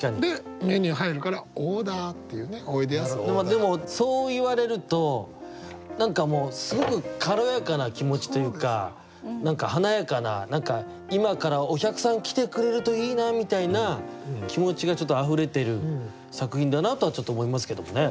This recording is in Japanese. でもそう言われると何かもうすごく軽やかな気持ちというか何か華やかな今からお客さん来てくれるといいなみたいな気持ちがちょっとあふれてる作品だなとは思いますけどもね。